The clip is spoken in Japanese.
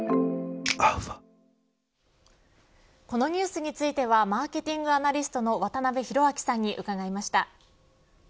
このニュースについてはマーケティングアナリストの渡辺広明さんに伺いました。